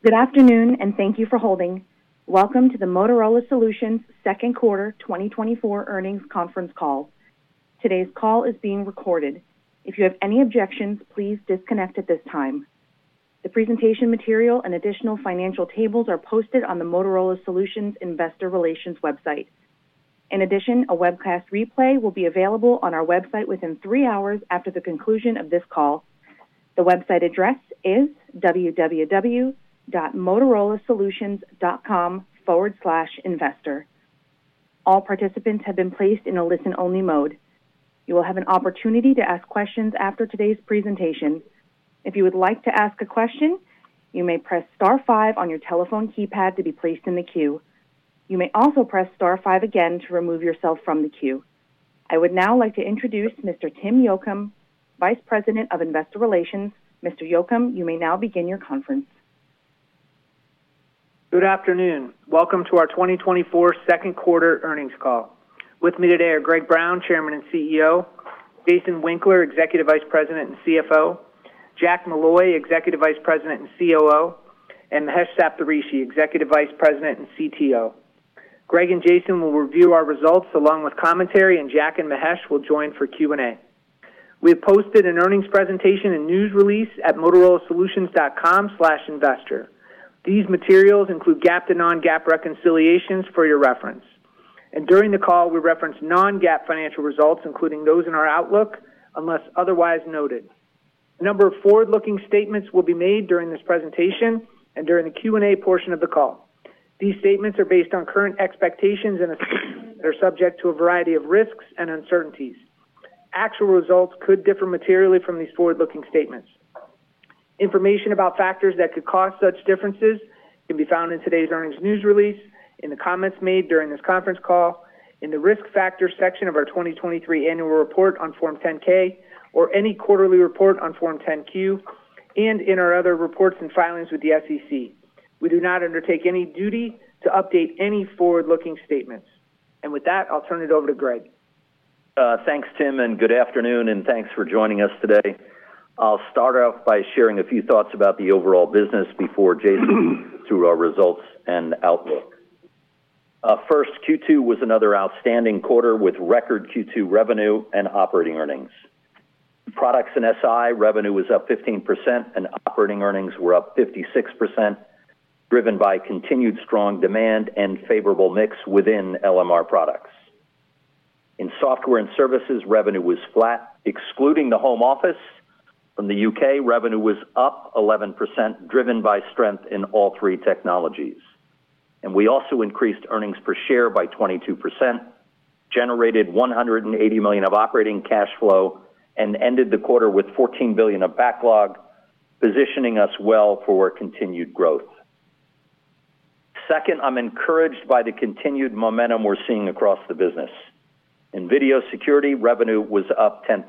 Good afternoon, and thank you for holding. Welcome to the Motorola Solutions Second Quarter 2024 earnings conference call. Today's call is being recorded. If you have any objections, please disconnect at this time. The presentation material and additional financial tables are posted on the Motorola Solutions Investor Relations website. In addition, a webcast replay will be available on our website within 3 hours after the conclusion of this call. The website address is www.motorolasolutions.com/investor. All participants have been placed in a listen-only mode. You will have an opportunity to ask questions after today's presentation. If you would like to ask a question, you may press star five on your telephone keypad to be placed in the queue. You may also press star five again to remove yourself from the queue. I would now like to introduce Mr. Tim Yocum, Vice President of Investor Relations. Mr. Yocum, you may now begin your conference. Good afternoon. Welcome to our 2024 second quarter earnings call. With me today are Greg Brown, Chairman and CEO, Jason Winkler, Executive Vice President and CFO, Jack Molloy, Executive Vice President and COO, and Mahesh Saptharishi, Executive Vice President and CTO. Greg and Jason will review our results along with commentary, and Jack and Mahesh will join for Q&A. We have posted an earnings presentation and news release at motorolasolutions.com/investor. These materials include GAAP-to-non-GAAP reconciliations for your reference. During the call, we reference non-GAAP financial results, including those in our outlook, unless otherwise noted. A number of forward-looking statements will be made during this presentation and during the Q&A portion of the call. These statements are based on current expectations and assumptions that are subject to a variety of risks and uncertainties. Actual results could differ materially from these forward-looking statements. Information about factors that could cause such differences can be found in today's earnings news release, in the comments made during this conference call, in the risk factor section of our 2023 annual report on Form 10-K, or any quarterly report on Form 10-Q, and in our other reports and filings with the SEC. We do not undertake any duty to update any forward-looking statements. With that, I'll turn it over to Greg. Thanks, Tim, and good afternoon, and thanks for joining us today. I'll start off by sharing a few thoughts about the overall business before Jason moves to our results and outlook. First, Q2 was another outstanding quarter with record Q2 revenue and operating earnings. Products and SI revenue was up 15%, and operating earnings were up 56%, driven by continued strong demand and favorable mix within LMR products. In software and services, revenue was flat. Excluding the Home Office from the U.K., revenue was up 11%, driven by strength in all three technologies. We also increased earnings per share by 22%, generated $180 million of operating cash flow, and ended the quarter with $14 billion of backlog, positioning us well for continued growth. Second, I'm encouraged by the continued momentum we're seeing across the business. In video security, revenue was up 10%,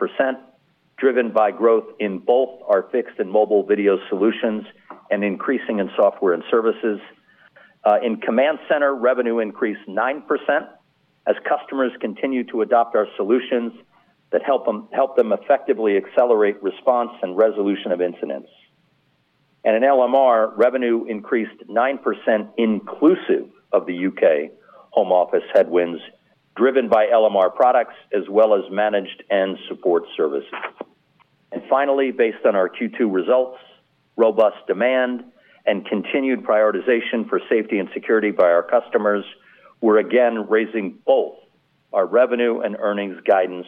driven by growth in both our fixed and mobile video solutions and increasing in software and services. In command center, revenue increased 9% as customers continue to adopt our solutions that help them effectively accelerate response and resolution of incidents. And in LMR, revenue increased 9% inclusive of the UK Home Office headwinds, driven by LMR products as well as managed and support services. And finally, based on our Q2 results, robust demand, and continued prioritization for safety and security by our customers, we're again raising both our revenue and earnings guidance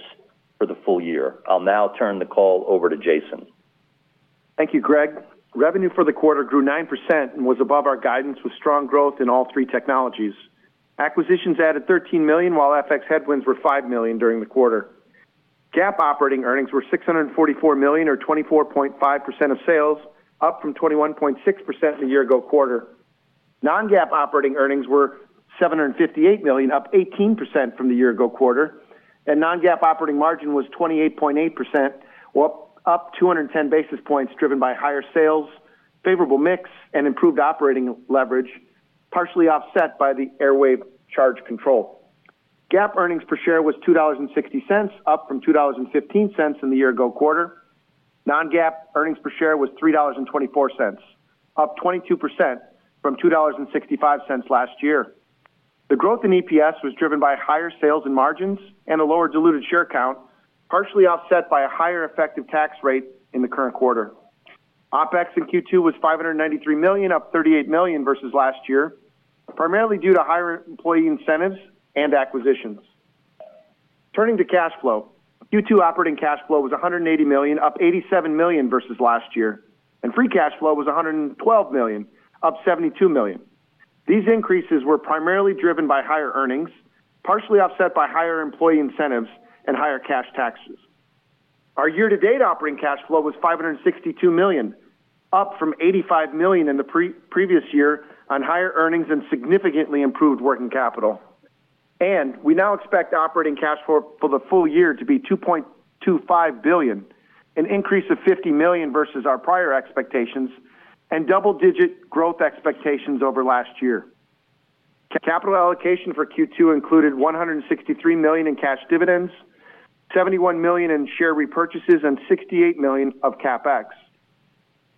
for the full year. I'll now turn the call over to Jason. Thank you, Greg. Revenue for the quarter grew 9% and was above our guidance with strong growth in all three technologies. Acquisitions added $13 million, while FX headwinds were $5 million during the quarter. GAAP operating earnings were $644 million, or 24.5% of sales, up from 21.6% in the year-ago quarter. Non-GAAP operating earnings were $758 million, up 18% from the year-ago quarter. Non-GAAP operating margin was 28.8%, up 210 basis points, driven by higher sales, favorable mix, and improved operating leverage, partially offset by the Airwave Charge Control. GAAP earnings per share was $2.60, up from $2.15 in the year-ago quarter. Non-GAAP earnings per share was $3.24, up 22% from $2.65 last year. The growth in EPS was driven by higher sales and margins and a lower diluted share count, partially offset by a higher effective tax rate in the current quarter. OPEX in Q2 was $593 million, up $38 million versus last year, primarily due to higher employee incentives and acquisitions. Turning to cash flow, Q2 operating cash flow was $180 million, up $87 million versus last year. Free cash flow was $112 million, up $72 million. These increases were primarily driven by higher earnings, partially offset by higher employee incentives and higher cash taxes. Our year-to-date operating cash flow was $562 million, up from $85 million in the previous year on higher earnings and significantly improved working capital. We now expect operating cash flow for the full year to be $2.25 billion, an increase of $50 million versus our prior expectations, and double-digit growth expectations over last year. Capital allocation for Q2 included $163 million in cash dividends, $71 million in share repurchases, and $68 million of CapEx.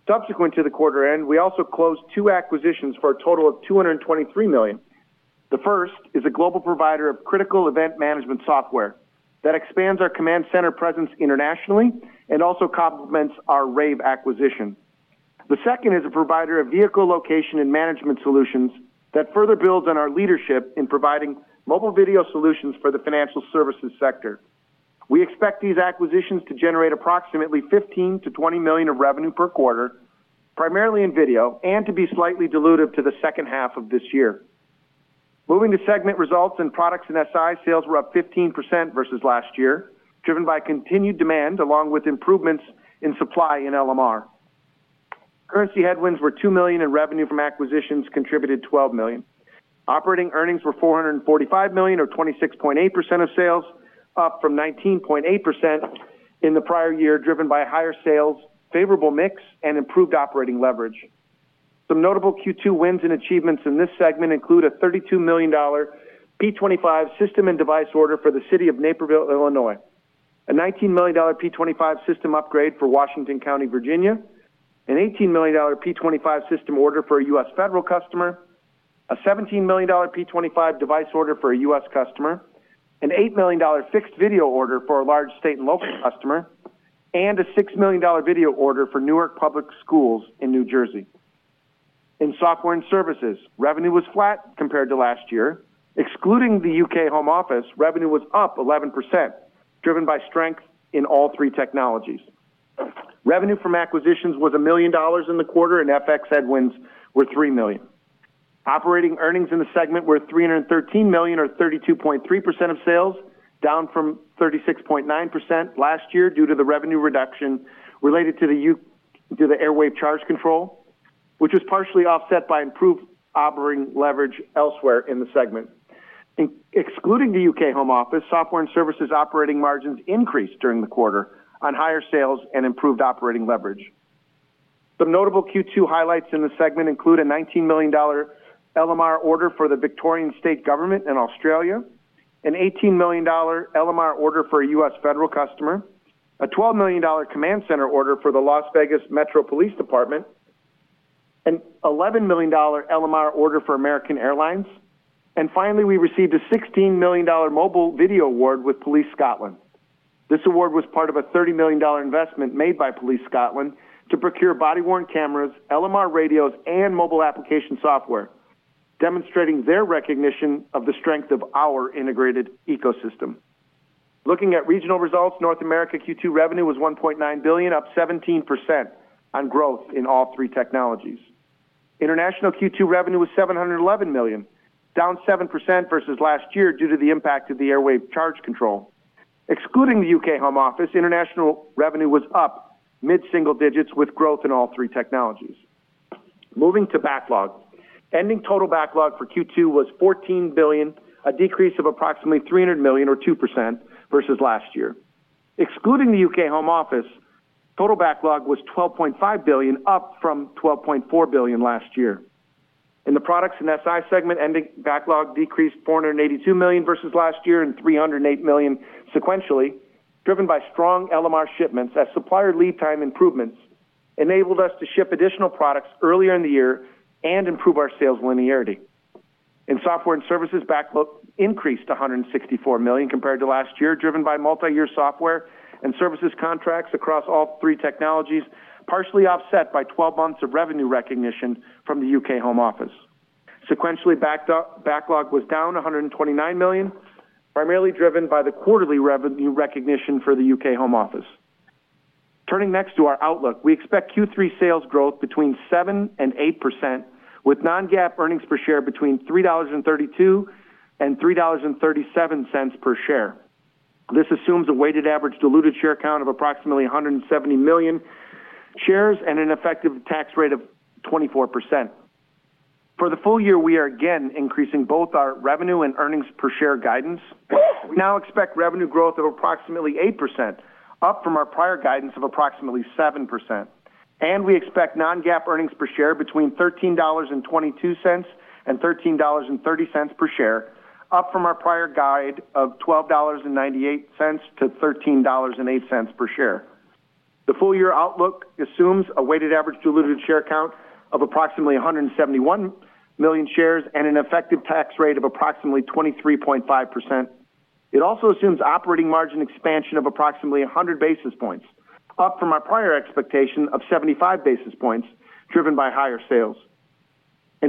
Subsequent to the quarter end, we also closed two acquisitions for a total of $223 million. The first is a global provider of critical event management software that expands our command center presence internationally and also complements our Rave acquisition. The second is a provider of vehicle location and management solutions that further builds on our leadership in providing mobile video solutions for the financial services sector. We expect these acquisitions to generate approximately $15-$20 million of revenue per quarter, primarily in video, and to be slightly diluted to the second half of this year. Moving to segment results and products and SI, sales were up 15% versus last year, driven by continued demand along with improvements in supply in LMR. Currency headwinds were $2 million, and revenue from acquisitions contributed $12 million. Operating earnings were $445 million, or 26.8% of sales, up from 19.8% in the prior year, driven by higher sales, favorable mix, and improved operating leverage. Some notable Q2 wins and achievements in this segment include a $32 million P25 system and device order for the city of Naperville, Illinois, a $19 million P25 system upgrade for Washington County, Virginia, an $18 million P25 system order for a U.S. federal customer, a $17 million P25 device order for a U.S. customer, an $8 million fixed video order for a large state and local customer, and a $6 million video order for Newark Public Schools in New Jersey. In software and services, revenue was flat compared to last year. Excluding the UK Home Office, revenue was up 11%, driven by strength in all three technologies. Revenue from acquisitions was $1 million in the quarter, and FX headwinds were $3 million. Operating earnings in the segment were $313 million, or 32.3% of sales, down from 36.9% last year due to the revenue reduction related to the Airwave Charge Control, which was partially offset by improved operating leverage elsewhere in the segment. Excluding the UK Home Office, software and services operating margins increased during the quarter on higher sales and improved operating leverage. Some notable Q2 highlights in the segment include a $19 million LMR order for the Victorian State Government in Australia, an $18 million LMR order for a U.S. federal customer, a $12 million command center order for the Las Vegas Metropolitan Police Department, an $11 million LMR order for American Airlines. And finally, we received a $16 million mobile video award with Police Scotland. This award was part of a $30 million investment made by Police Scotland to procure body-worn cameras, LMR radios, and mobile application software, demonstrating their recognition of the strength of our integrated ecosystem. Looking at regional results, North America Q2 revenue was $1.9 billion, up 17% on growth in all three technologies. International Q2 revenue was $711 million, down 7% versus last year due to the impact of the Airwave Charge Control. Excluding the UK Home Office, international revenue was up mid-single digits with growth in all three technologies. Moving to backlog, ending total backlog for Q2 was $14 billion, a decrease of approximately $300 million, or 2%, versus last year. Excluding the UK Home Office, total backlog was $12.5 billion, up from $12.4 billion last year. In the products and SI segment, ending backlog decreased $482 million versus last year and $308 million sequentially, driven by strong LMR shipments as supplier lead time improvements enabled us to ship additional products earlier in the year and improve our sales linearity. In software and services, backlog increased to $164 million compared to last year, driven by multi-year software and services contracts across all three technologies, partially offset by 12 months of revenue recognition from the UK Home Office. Sequentially, backlog was down $129 million, primarily driven by the quarterly revenue recognition for the UK Home Office. Turning next to our outlook, we expect Q3 sales growth between 7%-8%, with non-GAAP earnings per share between $3.32 and $3.37 per share. This assumes a weighted average diluted share count of approximately 170 million shares and an effective tax rate of 24%. For the full year, we are again increasing both our revenue and earnings per share guidance. We now expect revenue growth of approximately 8%, up from our prior guidance of approximately 7%. We expect non-GAAP earnings per share between $13.22 and $13.30 per share, up from our prior guide of $12.98-$13.08 per share. The full year outlook assumes a weighted average diluted share count of approximately 171 million shares and an effective tax rate of approximately 23.5%. It also assumes operating margin expansion of approximately 100 basis points, up from our prior expectation of 75 basis points, driven by higher sales.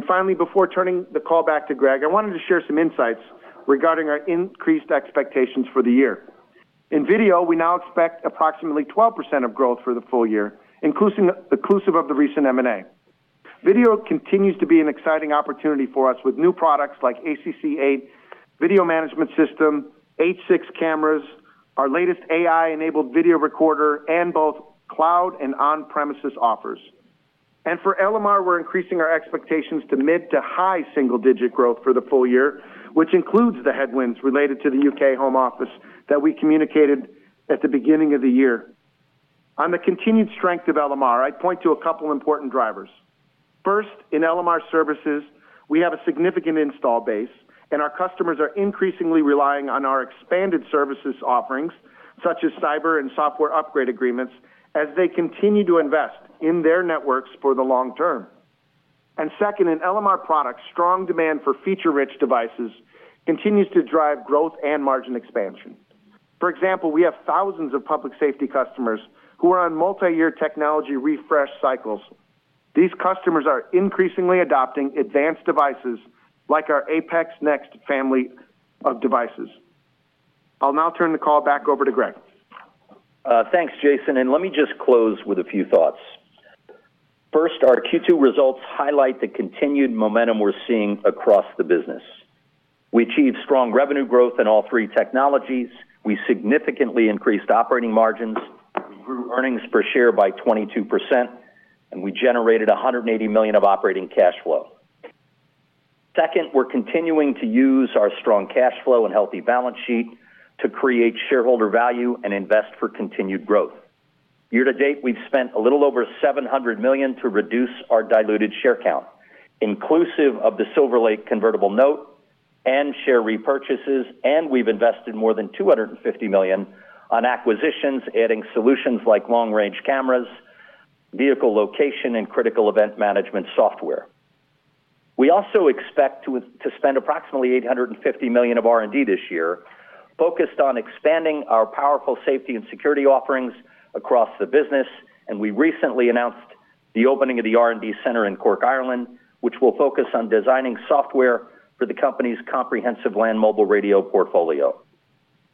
Finally, before turning the call back to Greg, I wanted to share some insights regarding our increased expectations for the year. In video, we now expect approximately 12% growth for the full year, inclusive of the recent M&A. Video continues to be an exciting opportunity for us with new products like ACC8 video management system, H6 cameras, our latest AI-enabled video recorder, and both cloud and on-premises offers. For LMR, we're increasing our expectations to mid- to high single-digit growth for the full year, which includes the headwinds related to the UK Home Office that we communicated at the beginning of the year. On the continued strength of LMR, I'd point to a couple of important drivers. First, in LMR services, we have a significant installed base, and our customers are increasingly relying on our expanded services offerings, such as cyber and software upgrade agreements, as they continue to invest in their networks for the long term. And second, in LMR products, strong demand for feature-rich devices continues to drive growth and margin expansion. For example, we have thousands of public safety customers who are on multi-year technology refresh cycles. These customers are increasingly adopting advanced devices like our APX NEXT family of devices. I'll now turn the call back over to Greg. Thanks, Jason. Let me just close with a few thoughts. First, our Q2 results highlight the continued momentum we're seeing across the business. We achieved strong revenue growth in all three technologies. We significantly increased operating margins. We grew earnings per share by 22%, and we generated $180 million of operating cash flow. Second, we're continuing to use our strong cash flow and healthy balance sheet to create shareholder value and invest for continued growth. Year-to-date, we've spent a little over $700 million to reduce our diluted share count, inclusive of the Silver Lake convertible note and share repurchases, and we've invested more than $250 million on acquisitions, adding solutions like long-range cameras, vehicle location, and critical event management software. We also expect to spend approximately $850 million of R&D this year, focused on expanding our powerful safety and security offerings across the business, and we recently announced the opening of the R&D Center in Cork, Ireland, which will focus on designing software for the company's comprehensive land mobile radio portfolio.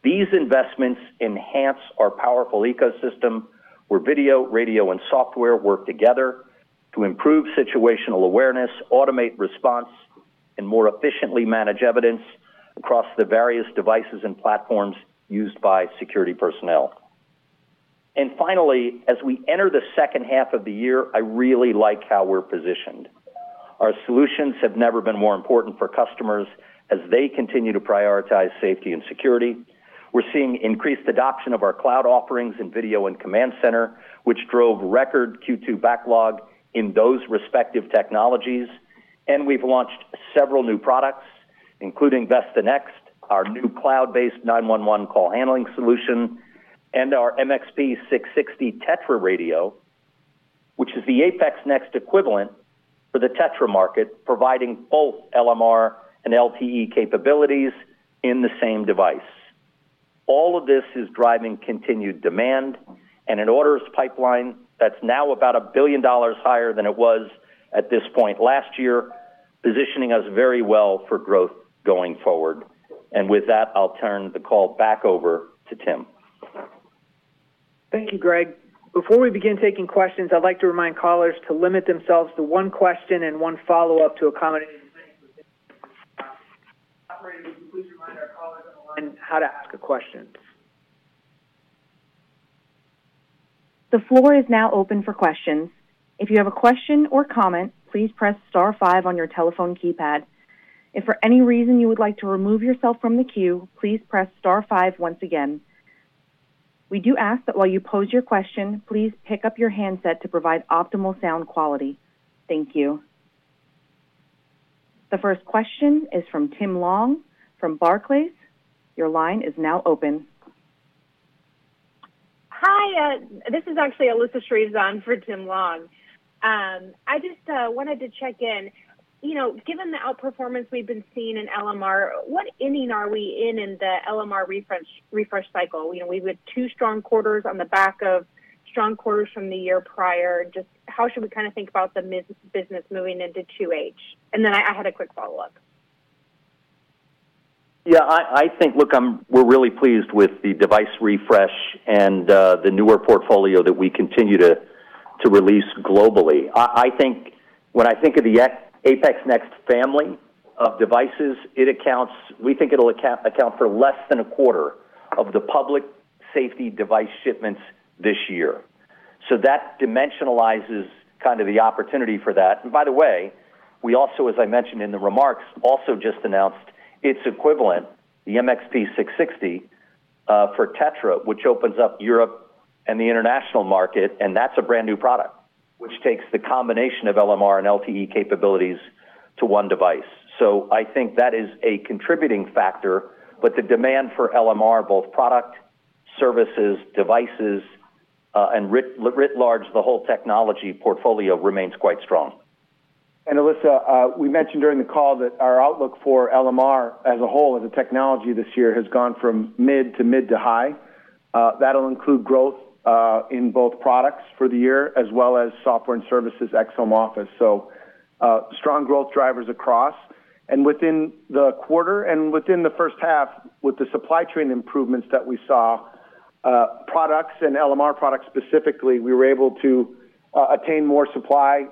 These investments enhance our powerful ecosystem where video, radio, and software work together to improve situational awareness, automate response, and more efficiently manage evidence across the various devices and platforms used by security personnel. And finally, as we enter the second half of the year, I really like how we're positioned. Our solutions have never been more important for customers as they continue to prioritize safety and security. We're seeing increased adoption of our cloud offerings and video and command center, which drove record Q2 backlog in those respective technologies. We've launched several new products, including VESTA NXT, our new cloud-based 911 call handling solution, and our MXP660 TETRA radio, which is the APX NEXT equivalent for the TETRA market, providing both LMR and LTE capabilities in the same device. All of this is driving continued demand and an orders pipeline that's now about $1 billion higher than it was at this point last year, positioning us very well for growth going forward. With that, I'll turn the call back over to Tim. Thank you, Greg. Before we begin taking questions, I'd like to remind callers to limit themselves to one question and one follow-up to accommodate as many participants. Operator, please remind our callers on the line how to ask a question. The floor is now open for questions. If you have a question or comment, please press star five on your telephone keypad. If for any reason you would like to remove yourself from the queue, please press star five once again. We do ask that while you pose your question, please pick up your handset to provide optimal sound quality. Thank you. The first question is from Tim Long from Barclays. Your line is now open. Hi, this is actually Alyssa Shreves for Tim Long. I just wanted to check in. Given the outperformance we've been seeing in LMR, what ending are we in in the LMR refresh cycle? We've had two strong quarters on the back of strong quarters from the year prior. Just how should we kind of think about the business moving into Q3? And then I had a quick follow-up. Yeah, I think, look, we're really pleased with the device refresh and the newer portfolio that we continue to release globally. I think when I think of the APX NEXT family of devices, it accounts we think it'll account for less than a quarter of the public safety device shipments this year. So that dimensionalizes kind of the opportunity for that. And by the way, we also, as I mentioned in the remarks, also just announced its equivalent, the MXP660 for TETRA, which opens up Europe and the international market, and that's a brand new product, which takes the combination of LMR and LTE capabilities to one device. So I think that is a contributing factor, but the demand for LMR, both product, services, devices, and writ large, the whole technology portfolio remains quite strong. And Alyssa, we mentioned during the call that our outlook for LMR as a whole as a technology this year has gone from mid to mid to high. That'll include growth in both products for the year, as well as software and services, ex-home office. So strong growth drivers across. And within the quarter and within the first half, with the supply chain improvements that we saw, products and LMR products specifically, we were able to attain more supply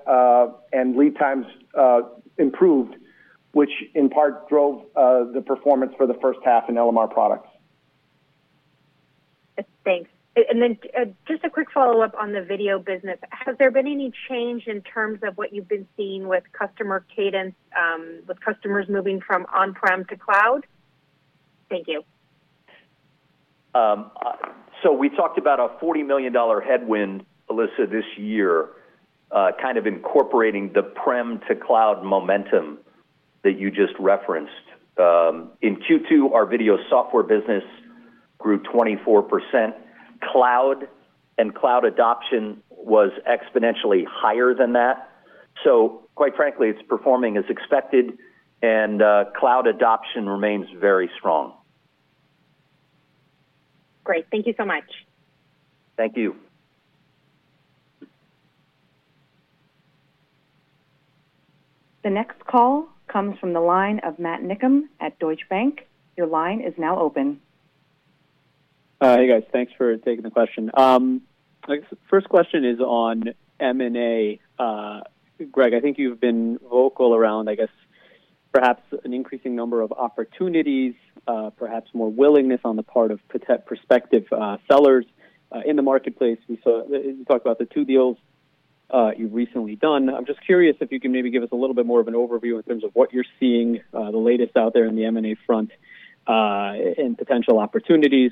and lead times improved, which in part drove the performance for the first half in LMR products. Thanks. And then just a quick follow-up on the video business. Has there been any change in terms of what you've been seeing with customer cadence, with customers moving from on-prem to cloud? Thank you. So we talked about a $40 million headwind, Alyssa, this year, kind of incorporating the prem to cloud momentum that you just referenced. In Q2, our video software business grew 24%. Cloud and cloud adoption was exponentially higher than that. So quite frankly, it's performing as expected, and cloud adoption remains very strong. Great. Thank you so much. Thank you. The next call comes from the line of Matt Niknam at Deutsche Bank. Your line is now open. Hey, guys. Thanks for taking the question. First question is on M&A. Greg, I think you've been vocal around, I guess, perhaps an increasing number of opportunities, perhaps more willingness on the part of prospective sellers in the marketplace. We talked about the two deals you've recently done. I'm just curious if you can maybe give us a little bit more of an overview in terms of what you're seeing the latest out there in the M&A front and potential opportunities.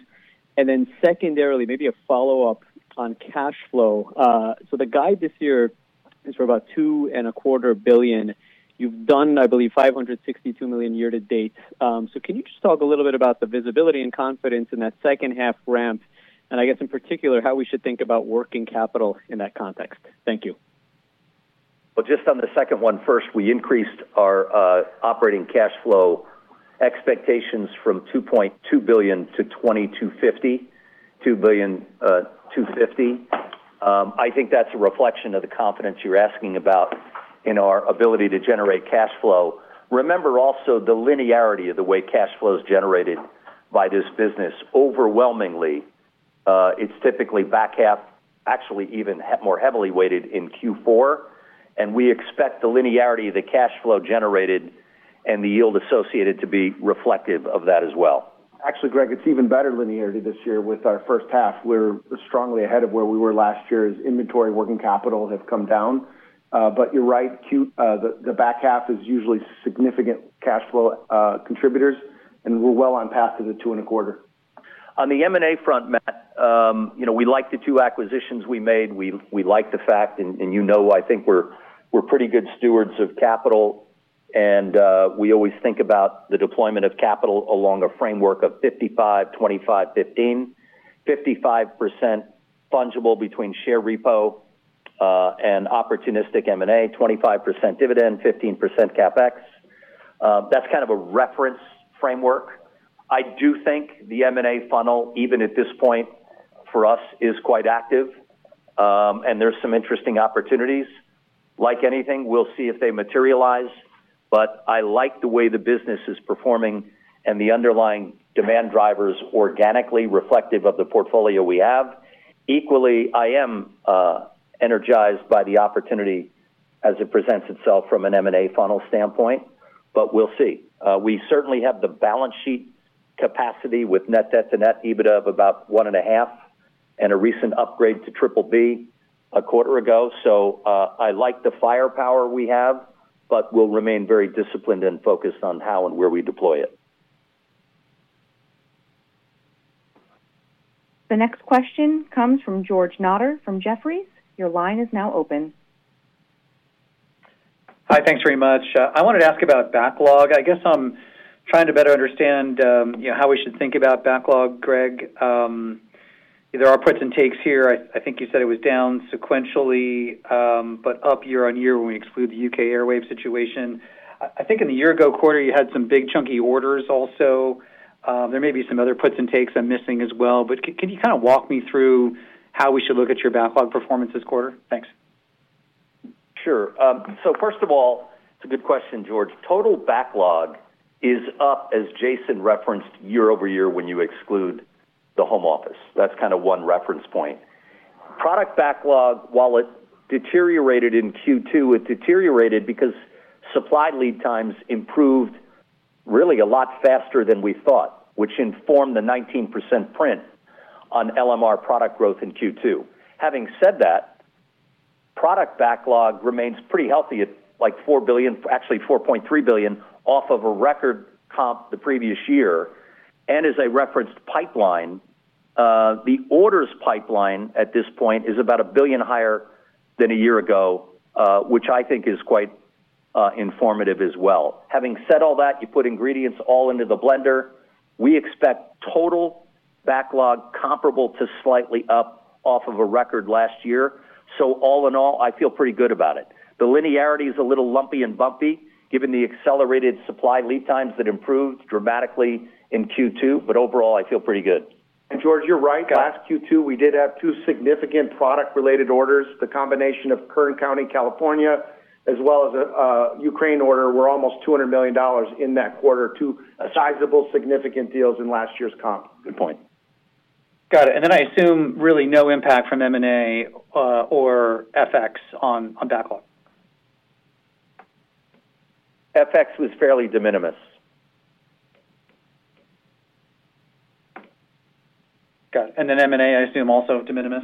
And then secondarily, maybe a follow-up on cash flow. So the guide this year is for about $2.25 billion. You've done, I believe, $562 million year to date. So can you just talk a little bit about the visibility and confidence in that second half ramp, and I guess in particular how we should think about working capital in that context? Thank you. Well, just on the second one first, we increased our operating cash flow expectations from $2.2 billion to $2.25 billion. I think that's a reflection of the confidence you're asking about in our ability to generate cash flow. Remember also the linearity of the way cash flow is generated by this business. Overwhelmingly, it's typically back half, actually even more heavily weighted in Q4. And we expect the linearity of the cash flow generated and the yield associated to be reflective of that as well. Actually, Greg, it's even better linearity this year with our first half. We're strongly ahead of where we were last year as inventory working capital have come down. But you're right, the back half is usually significant cash flow contributors, and we're well on path to the $2.25. On the M&A front, Matt, we like the two acquisitions we made. We like the fact, and you know I think we're pretty good stewards of capital. We always think about the deployment of capital along a framework of 55, 25, 15, 55% fungible between share repo and opportunistic M&A, 25% dividend, 15% CapEx. That's kind of a reference framework. I do think the M&A funnel, even at this point for us, is quite active, and there's some interesting opportunities. Like anything, we'll see if they materialize. I like the way the business is performing and the underlying demand drivers organically reflective of the portfolio we have. Equally, I am energized by the opportunity as it presents itself from an M&A funnel standpoint, but we'll see. We certainly have the balance sheet capacity with net debt to net EBITDA of about 1.5 and a recent upgrade to BBB a quarter ago. So I like the firepower we have, but we'll remain very disciplined and focused on how and where we deploy it. The next question comes from George Notter from Jefferies. Your line is now open. Hi, thanks very much. I wanted to ask about backlog. I guess I'm trying to better understand how we should think about backlog, Greg. There are puts and takes here. I think you said it was down sequentially, but up year-over-year when we exclude the U.K. airwave situation. I think in the year-ago quarter, you had some big chunky orders also. There may be some other puts and takes I'm missing as well. But can you kind of walk me through how we should look at your backlog performance this quarter? Thanks. Sure. So first of all, it's a good question, George. Total backlog is up, as Jason referenced, year-over-year when you exclude the home office. That's kind of one reference point. Product backlog, while it deteriorated in Q2, it deteriorated because supply lead times improved really a lot faster than we thought, which informed the 19% print on LMR product growth in Q2. Having said that, product backlog remains pretty healthy at like $4 billion, actually $4.3 billion off of a record comp the previous year. And as I referenced pipeline, the orders pipeline at this point is about $1 billion higher than a year ago, which I think is quite informative as well. Having said all that, you put ingredients all into the blender, we expect total backlog comparable to slightly up off of a record last year. So all in all, I feel pretty good about it. The linearity is a little lumpy and bumpy given the accelerated supply lead times that improved dramatically in Q2, but overall, I feel pretty good. George, you're right. Last Q2, we did have two significant product-related orders. The combination of Kern County, California, as well as a Ukraine order, we're almost $200 million in that quarter to sizable significant deals in last year's comp. Good point. Got it. And then I assume really no impact from M&A or FX on backlog? FX was fairly de minimis. Got it. And then M&A, I assume also de minimis?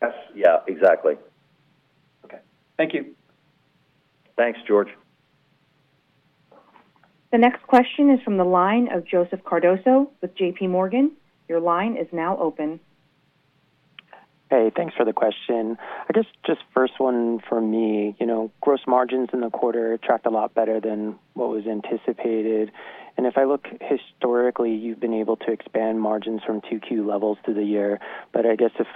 Yes. Yeah, exactly. Okay. Thank you. Thanks, George. The next question is from the line of Joseph Cardoso with JPMorgan. Your line is now open. Hey, thanks for the question. I guess just first one for me. Gross margins in the quarter tracked a lot better than what was anticipated. And if I look historically, you've been able to expand margins from Q2 levels through the year. But I guess if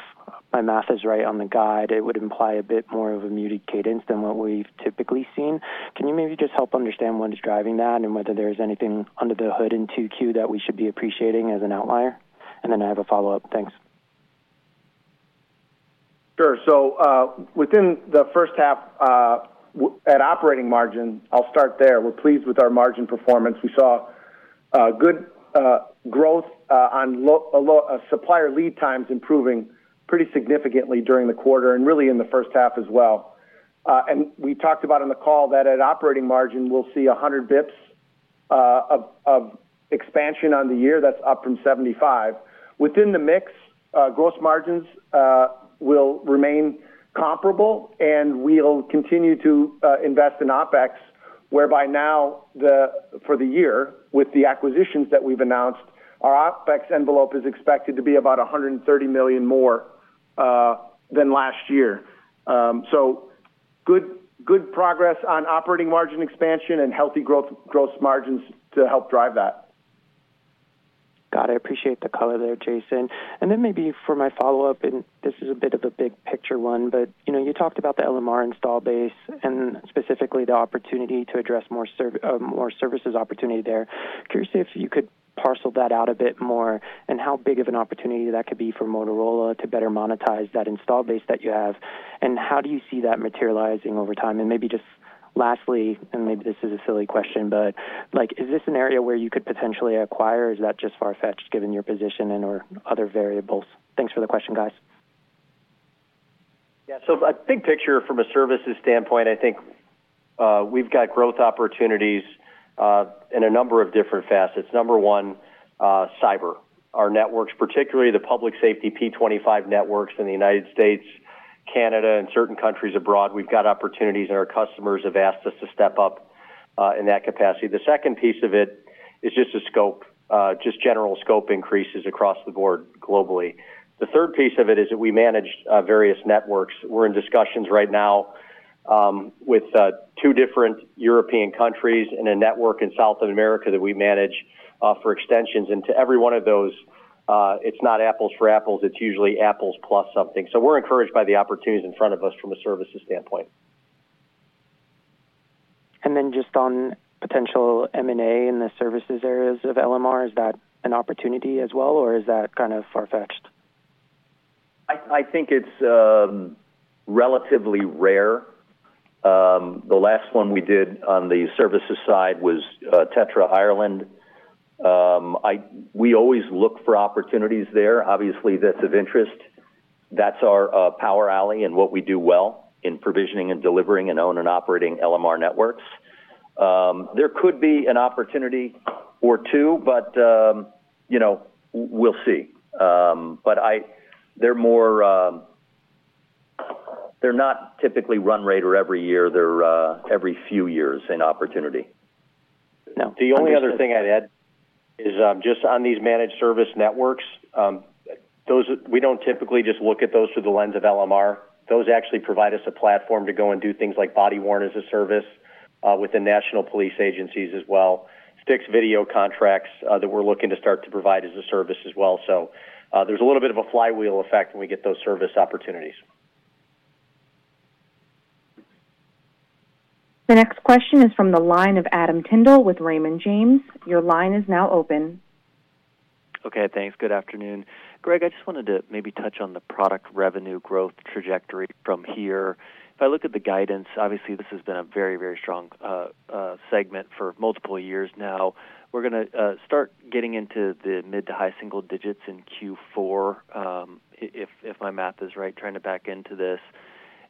my math is right on the guide, it would imply a bit more of a muted cadence than what we've typically seen. Can you maybe just help understand what is driving that and whether there is anything under the hood in Q2 that we should be appreciating as an outlier? And then I have a follow-up. Thanks. Sure. So within the first half at operating margin, I'll start there. We're pleased with our margin performance. We saw good growth on supplier lead times improving pretty significantly during the quarter and really in the first half as well. And we talked about in the call that at operating margin, we'll see 100 basis points of expansion on the year. That's up from 75 basis point. Within the mix, gross margins will remain comparable, and we'll continue to invest in OPEX, whereby now for the year, with the acquisitions that we've announced, our OPEX envelope is expected to be about $130 million more than last year. So good progress on operating margin expansion and healthy growth gross margins to help drive that. Got it. I appreciate the color there, Jason. And then maybe for my follow-up, and this is a bit of a big picture one, but you talked about the LMR install base and specifically the opportunity to address more services opportunity there. Curious if you could parcel that out a bit more and how big of an opportunity that could be for Motorola to better monetize that install base that you have. And how do you see that materializing over time? And maybe just lastly, and maybe this is a silly question, but is this an area where you could potentially acquire? Is that just far-fetched given your position and/or other variables? Thanks for the question, guys. Yeah. So a big picture from a services standpoint, I think we've got growth opportunities in a number of different facets. Number one, cyber. Our networks, particularly the public safety P25 networks in the United States, Canada, and certain countries abroad, we've got opportunities, and our customers have asked us to step up in that capacity. The second piece of it is just a scope, just general scope increases across the board globally. The third piece of it is that we manage various networks. We're in discussions right now with two different European countries and a network in South America that we manage for extensions. And to every one of those, it's not apples for apples. It's usually apples plus something. So we're encouraged by the opportunities in front of us from a services standpoint. And then, just on potential M&A in the services areas of LMR, is that an opportunity as well, or is that kind of far-fetched? I think it's relatively rare. The last one we did on the services side was TETRA Ireland. We always look for opportunities there. Obviously, that's of interest. That's our power alley and what we do well in provisioning and delivering and owning and operating LMR networks. There could be an opportunity or two, but we'll see. But they're not typically run rate or every year. They're every few years an opportunity. The only other thing I'd add is just on these managed service networks, we don't typically just look at those through the lens of LMR. Those actually provide us a platform to go and do things like body-worn as a service with the national police agencies as well. Fixed video contracts that we're looking to start to provide as a service as well. So there's a little bit of a flywheel effect when we get those service opportunities. The next question is from the line of Adam Tindle with Raymond James. Your line is now open. Okay. Thanks. Good afternoon. Greg, I just wanted to maybe touch on the product revenue growth trajectory from here. If I look at the guidance, obviously this has been a very, very strong segment for multiple years now. We're going to start getting into the mid to high single digits in Q4, if my math is right, trying to back into this.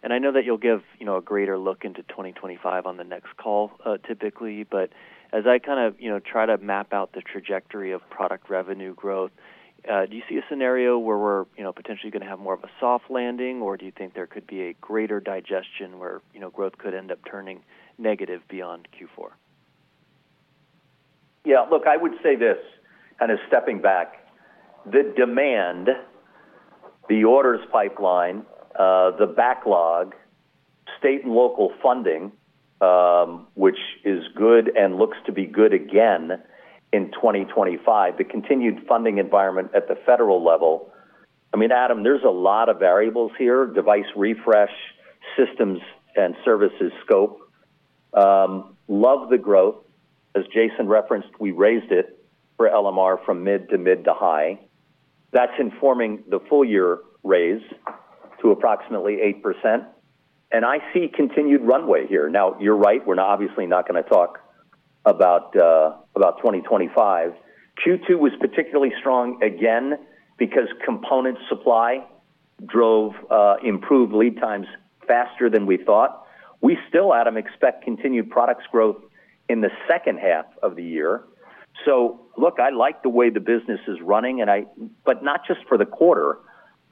And I know that you'll give a greater look into 2025 on the next call typically, but as I kind of try to map out the trajectory of product revenue growth, do you see a scenario where we're potentially going to have more of a soft landing, or do you think there could be a greater digestion where growth could end up turning negative beyond Q4? Yeah. Look, I would say this, kind of stepping back. The demand, the orders pipeline, the backlog, state and local funding, which is good and looks to be good again in 2025, the continued funding environment at the federal level. I mean, Adam, there's a lot of variables here, device refresh, systems and services scope. Love the growth. As Jason referenced, we raised it for LMR from mid to mid to high. That's informing the full year raise to approximately 8%. And I see continued runway here. Now, you're right. We're obviously not going to talk about 2025. Q2 was particularly strong again because component supply drove improved lead times faster than we thought. We still, Adam, expect continued products growth in the second half of the year. So look, I like the way the business is running, but not just for the quarter.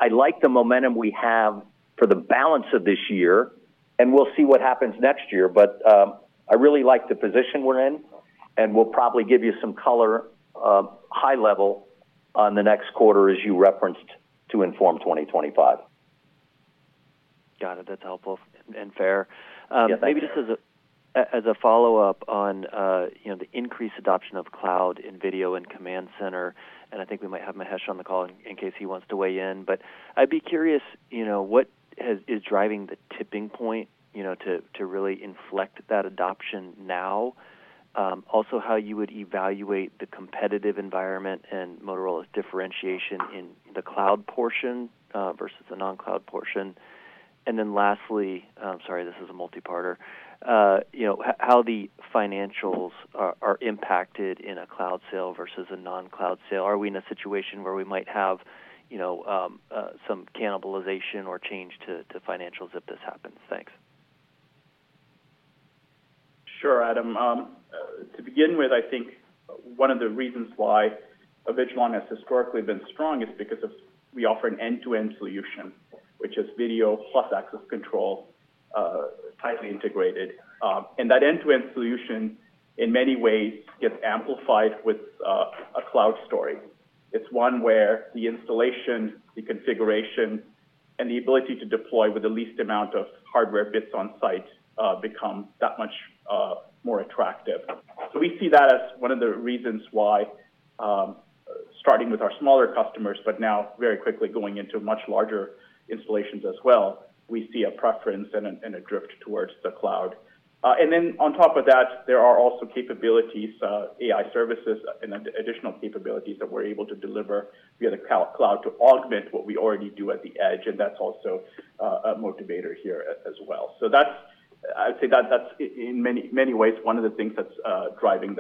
I like the momentum we have for the balance of this year, and we'll see what happens next year. But I really like the position we're in, and we'll probably give you some color high level on the next quarter as you referenced to inform 2025. Got it. That's helpful and fair. Maybe just as a follow-up on the increased adoption of cloud in video and command center, and I think we might have Mahesh on the call in case he wants to weigh in. But I'd be curious what is driving the tipping point to really inflect that adoption now? Also how you would evaluate the competitive environment and Motorola's differentiation in the cloud portion versus the non-cloud portion. And then lastly, sorry, this is a multi-parter, how the financials are impacted in a cloud sale versus a non-cloud sale. Are we in a situation where we might have some cannibalization or change to financials if this happens? Thanks. Sure, Adam. To begin with, I think one of the reasons why Avigilon has historically been strong is because we offer an end-to-end solution, which is video plus access control tightly integrated. That end-to-end solution in many ways gets amplified with a cloud story. It's one where the installation, the configuration, and the ability to deploy with the least amount of hardware bits on site becomes that much more attractive. We see that as one of the reasons why starting with our smaller customers, but now very quickly going into much larger installations as well, we see a preference and a drift towards the cloud. Then on top of that, there are also capabilities, AI services, and additional capabilities that we're able to deliver via the cloud to augment what we already do at the edge, and that's also a motivator here as well. So I'd say that that's in many ways one of the things that's driving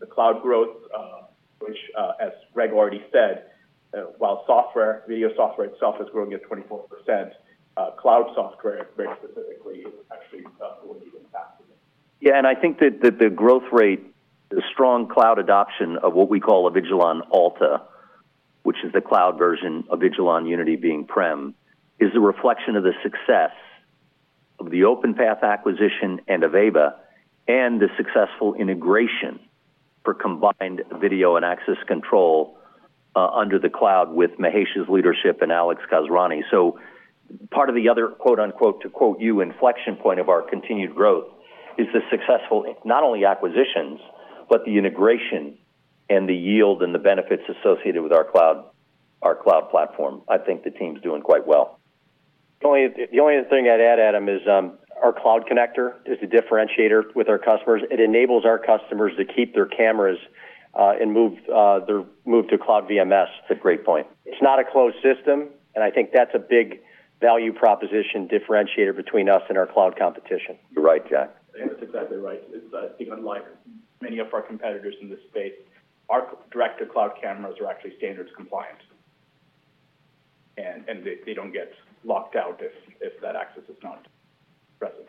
the cloud growth, which, as Greg already said, while video software itself is growing at 24%, cloud software very specifically is actually moving even faster. Yeah. And I think that the growth rate, the strong cloud adoption of what we call Avigilon Alta, which is the cloud version of Avigilon Unity being prem, is a reflection of the success of the OpenPath acquisition and Ava, and the successful integration for combined video and access control under the cloud with Mahesh's leadership and Alex Kazerani. So part of the other quote-unquote, to quote you, inflection point of our continued growth is the successful not only acquisitions, but the integration and the yield and the benefits associated with our cloud platform. I think the team's doing quite well. The only thing I'd add, Adam, is our cloud connector is a differentiator with our customers. It enables our customers to keep their cameras and move to cloud VMS. It's a great point. It's not a closed system, and I think that's a big value proposition differentiator between us and our cloud competition. You're right, Jack. That's exactly right. It's unlike many of our competitors in this space. Our direct-to-cloud cameras are actually standards compliant, and they don't get locked out if that access is not present.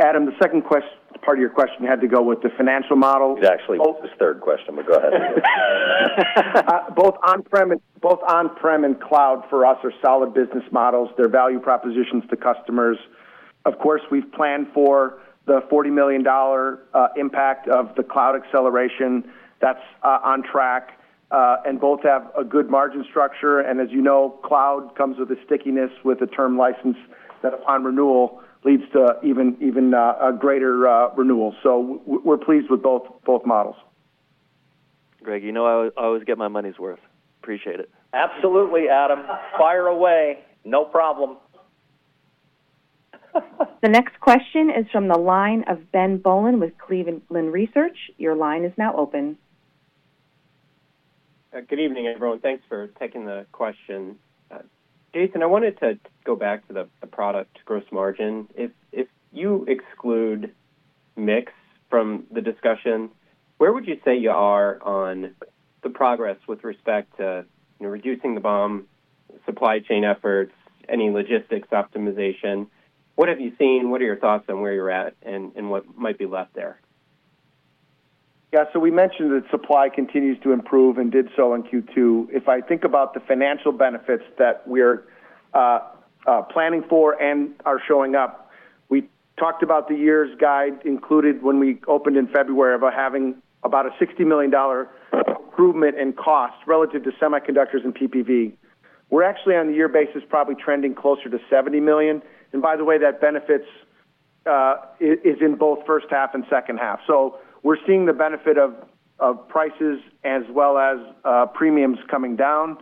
Adam, the second part of your question had to go with the financial model. It actually is the third question, but go ahead. Both on-prem and cloud for us are solid business models. They're value propositions to customers. Of course, we've planned for the $40 million impact of the cloud acceleration. That's on track, and both have a good margin structure. As you know, cloud comes with a stickiness with a term license that upon renewal leads to even a greater renewal. We're pleased with both models. Greg, you know I always get my money's worth. Appreciate it. Absolutely, Adam. Fire away. No problem. The next question is from the line of Ben Bollin with Cleveland Research. Your line is now open. Good evening, everyone. Thanks for taking the question. Jason, I wanted to go back to the product gross margin. If you exclude mix from the discussion, where would you say you are on the progress with respect to reducing the BOM, supply chain efforts, any logistics optimization? What have you seen? What are your thoughts on where you're at and what might be left there? Yeah. So we mentioned that supply continues to improve and did so in Q2. If I think about the financial benefits that we're planning for and are showing up, we talked about the year's guide included when we opened in February about having about a $60 million improvement in cost relative to semiconductors and PPV. We're actually on a year basis probably trending closer to $70 million. And by the way, that benefit is in both first half and second half. So we're seeing the benefit of prices as well as premiums coming down.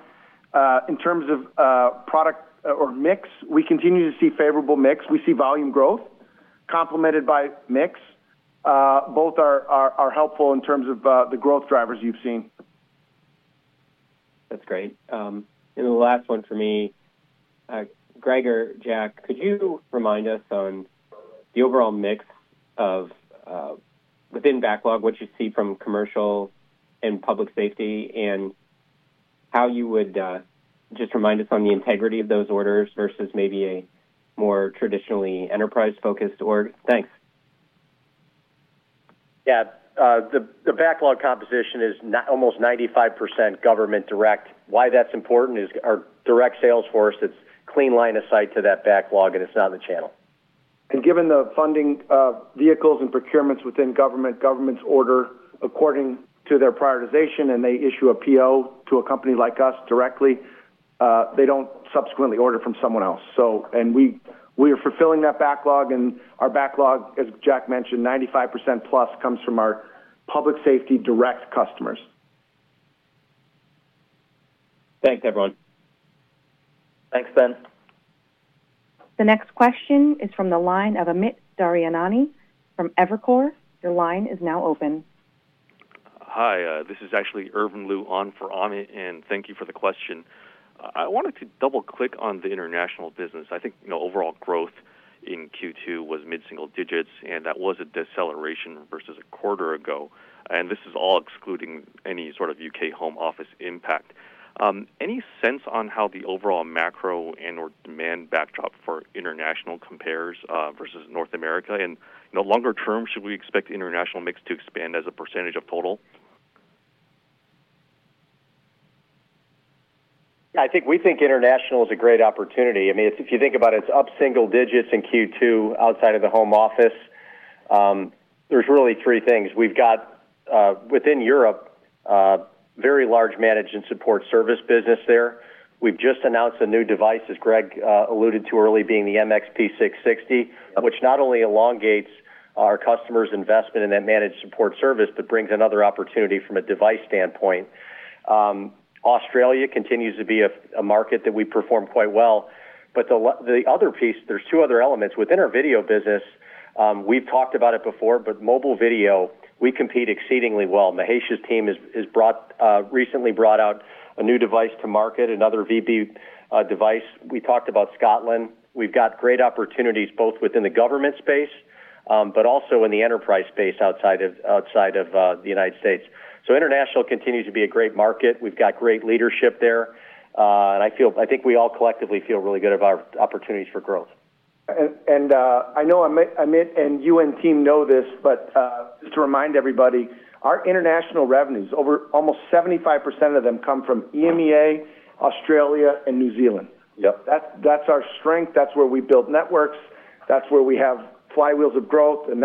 In terms of product or mix, we continue to see favorable mix. We see volume growth complemented by mix. Both are helpful in terms of the growth drivers you've seen. That's great. And the last one for me, Greg or Jack, could you remind us on the overall mix within backlog, what you see from commercial and public safety, and how you would just remind us on the integrity of those orders versus maybe a more traditionally enterprise-focused order? Thanks. Yeah. The backlog composition is almost 95% government direct. Why that's important is our direct sales force that's clean line of sight to that backlog, and it's not in the channel. And given the funding vehicles and procurements within government, governments order according to their prioritization, and they issue a PO to a company like us directly, they don't subsequently order from someone else. And we are fulfilling that backlog, and our backlog, as Jack mentioned, 95% plus comes from our public safety direct customers. Thanks, everyone. Thanks, Ben. The next question is from the line of Amit Daryanani from Evercore. Your line is now open. Hi. This is actually Irvin Liu for Amit, and thank you for the question. I wanted to double-click on the international business. I think overall growth in Q2 was mid-single digits, and that was a deceleration versus a quarter ago. And this is all excluding any sort of UK Home Office impact. Any sense on how the overall macro and/or demand backdrop for international compares versus North America? In a longer term, should we expect international mix to expand as a percentage of total? Yeah. I think we think international is a great opportunity. I mean, if you think about it, it's up single digits in Q2 outside of the home office. There's really three things. We've got within Europe, very large managed and support service business there. We've just announced a new device, as Greg alluded to early, being the MXP660, which not only elongates our customers' investment in that managed support service, but brings another opportunity from a device standpoint. Australia continues to be a market that we perform quite well. But the other piece, there's two other elements. Within our video business, we've talked about it before, but mobile video, we compete exceedingly well. Mahesh's team has recently brought out a new device to market, another VB device. We talked about Scotland. We've got great opportunities both within the government space, but also in the enterprise space outside of the United States. So international continues to be a great market. We've got great leadership there. And I think we all collectively feel really good about our opportunities for growth. And I know Amit and you and team know this, but just to remind everybody, our international revenues, almost 75% of them come from EMEA, Australia, and New Zealand. That's our strength. That's where we build networks. That's where we have flywheels of growth. And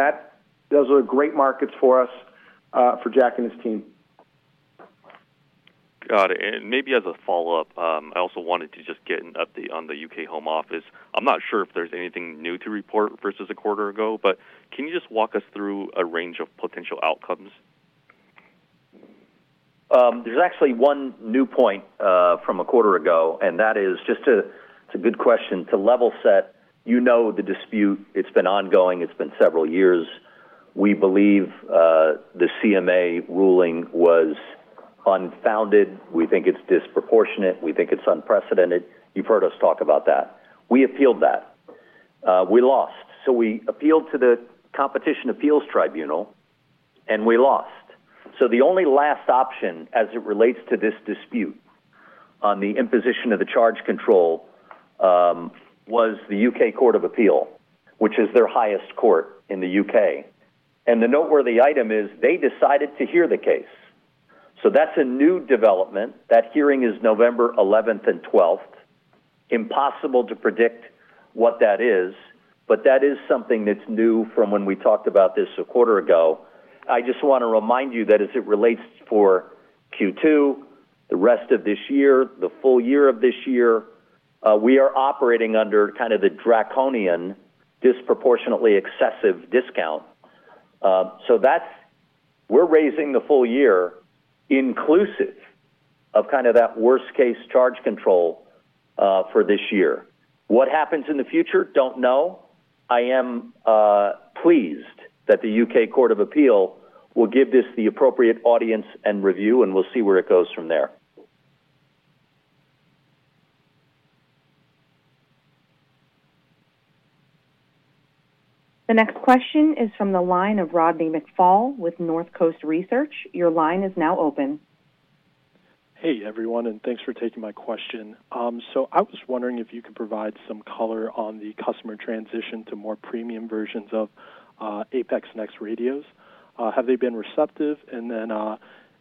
those are great markets for us, for Jack and his team. Got it. And maybe as a follow-up, I also wanted to just get an update on the UK Home Office. I'm not sure if there's anything new to report versus a quarter ago, but can you just walk us through a range of potential outcomes? There's actually one new point from a quarter ago, and that is just a good question. To level set, you know the dispute. It's been ongoing. It's been several years. We believe the CMA ruling was unfounded. We think it's disproportionate. We think it's unprecedented. You've heard us talk about that. We appealed that. We lost. We appealed to the Competition Appeals Tribunal, and we lost. The only last option as it relates to this dispute on the imposition of the charge control was the UK Court of Appeal, which is their highest court in the U.K. The noteworthy item is they decided to hear the case. That's a new development. That hearing is November 11th and 12th. Impossible to predict what that is, but that is something that's new from when we talked about this a quarter ago. I just want to remind you that as it relates for Q2, the rest of this year, the full year of this year, we are operating under kind of the draconian, disproportionately excessive discount. So we're raising the full year inclusive of kind of that worst-case charge control for this year. What happens in the future? Don't know. I am pleased that the UK Court of Appeal will give this the appropriate audience and review, and we'll see where it goes from there. The next question is from the line of Rodney McFall with North Coast Research. Your line is now open. Hey, everyone, and thanks for taking my question. So I was wondering if you could provide some color on the customer transition to more premium versions of APX NEXT radios. Have they been receptive? And then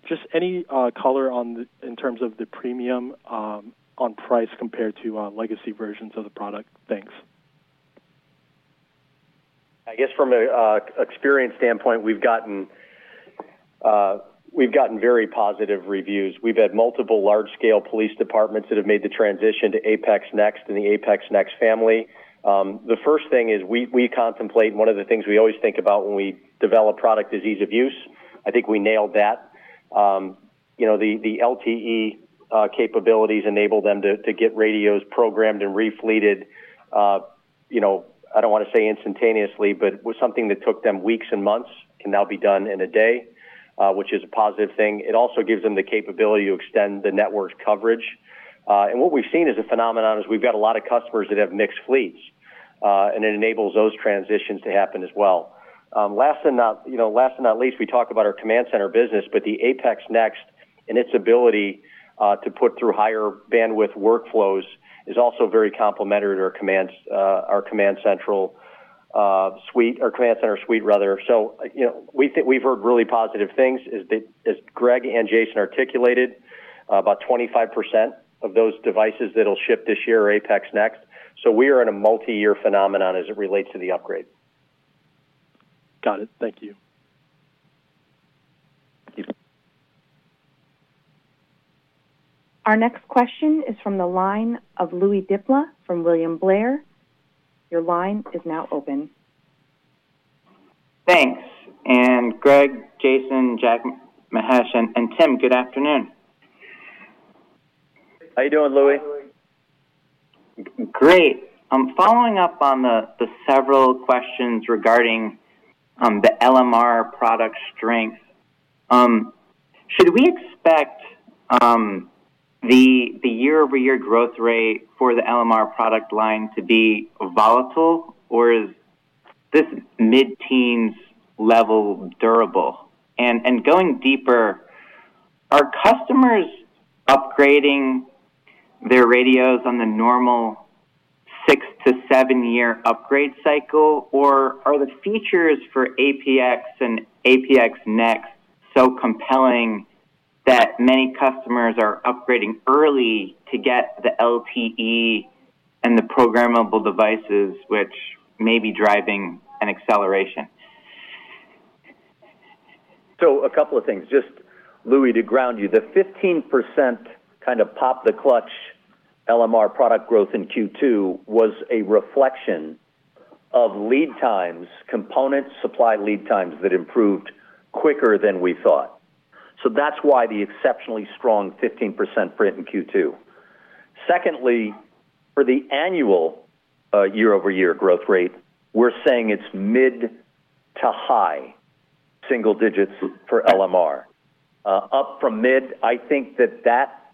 just any color in terms of the premium on price compared to legacy versions of the product? Thanks. I guess from an experience standpoint, we've gotten very positive reviews. We've had multiple large-scale police departments that have made the transition to APX NEXT and the APX NEXT family. The first thing is we contemplate one of the things we always think about when we develop product is ease of use. I think we nailed that. The LTE capabilities enable them to get radios programmed and reflashed. I don't want to say instantaneously, but something that took them weeks and months can now be done in a day, which is a positive thing. It also gives them the capability to extend the network's coverage. And what we've seen as a phenomenon is we've got a lot of customers that have mixed fleets, and it enables those transitions to happen as well. Last and not least, we talk about our Command Center business, but the APX NEXT and its ability to put through higher bandwidth workflows is also very complementary to our Command Center suite, rather. So we've heard really positive things, as Greg and Jason articulated, about 25% of those devices that will ship this year are APX NEXT. So we are in a multi-year phenomenon as it relates to the upgrade. Got it. Thank you. Our next question is from the line of Louie DiPalma from William Blair. Your line is now open. Thanks. Greg, Jason, Jack, Mahesh, and Tim, good afternoon. How are you doing, Louie? Great. I'm following up on the several questions regarding the LMR product strength. Should we expect the year-over-year growth rate for the LMR product line to be volatile, or is this mid-teens level durable? And going deeper, are customers upgrading their radios on the normal six to seven-year upgrade cycle, or are the features for APX and APX NEXT so compelling that many customers are upgrading early to get the LTE and the programmable devices, which may be driving an acceleration? So a couple of things. Just, Louie, to ground you, the 15% kind of pop-the-clutch LMR product growth in Q2 was a reflection of lead times, component supply lead times that improved quicker than we thought. So that's why the exceptionally strong 15% print in Q2. Secondly, for the annual year-over-year growth rate, we're saying it's mid to high single digits for LMR. Up from mid, I think that that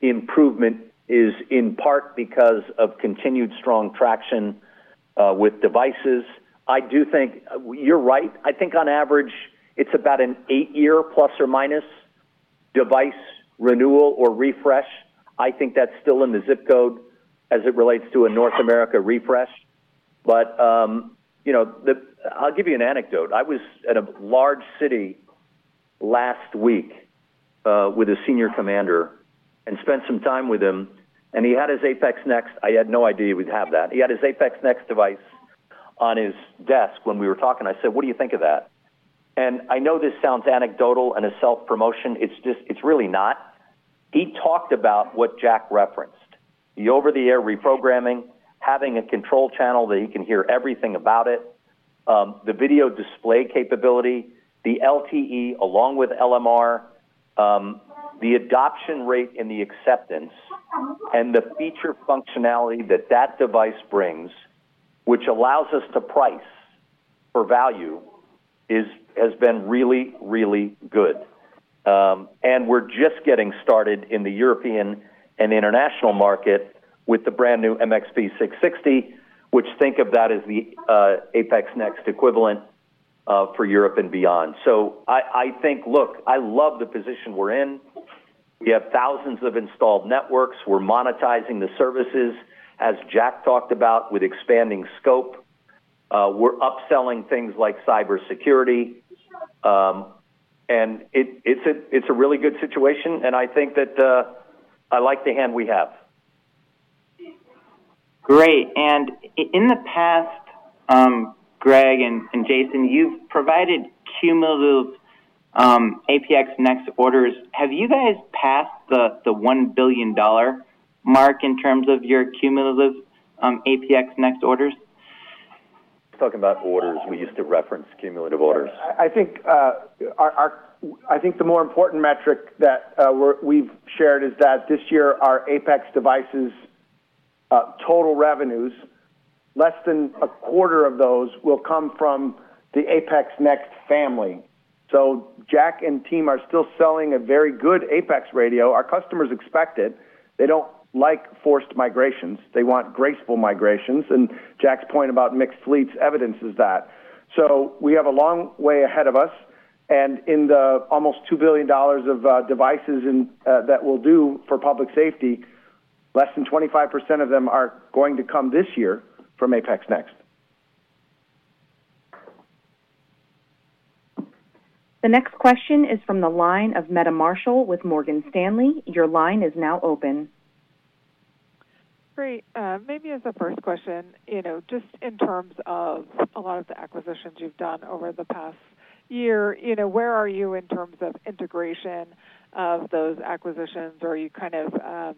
improvement is in part because of continued strong traction with devices. I do think you're right. I think on average, it's about an 8-year plus or minus device renewal or refresh. I think that's still in the zip code as it relates to a North America refresh. But I'll give you an anecdote. I was at a large city last week with a senior commander and spent some time with him. And he had his APX NEXT. I had no idea he would have that. He had his APX NEXT device on his desk when we were talking. I said, "What do you think of that?" And I know this sounds anecdotal and a self-promotion. It's really not. He talked about what Jack referenced: the over-the-air reprogramming, having a control channel that he can hear everything about it, the video display capability, the LTE along with LMR, the adoption rate and the acceptance, and the feature functionality that that device brings, which allows us to price for value, has been really, really good. And we're just getting started in the European and international market with the brand new MXP660, which think of that as the APX NEXT equivalent for Europe and beyond. So I think, look, I love the position we're in. We have thousands of installed networks. We're monetizing the services, as Jack talked about, with expanding scope. We're upselling things like cybersecurity. It's a really good situation. I think that I like the hand we have. Great. And in the past, Greg and Jason, you've provided cumulative APX NEXT orders. Have you guys passed the $1 billion mark in terms of your cumulative APX NEXT orders? Talking about orders, we used to reference cumulative orders. I think the more important metric that we've shared is that this year, our APX devices total revenues, less than a quarter of those will come from the APX NEXT family. So Jack and team are still selling a very good APX radio. Our customers expect it. They don't like forced migrations. They want graceful migrations. And Jack's point about mixed fleets evidences that. So we have a long way ahead of us. And in the almost $2 billion of devices that we'll do for public safety, less than 25% of them are going to come this year from APX NEXT. The next question is from the line of Meta Marshall with Morgan Stanley. Your line is now open. Great. Maybe as a first question, just in terms of a lot of the acquisitions you've done over the past year, where are you in terms of integration of those acquisitions? Or are you kind of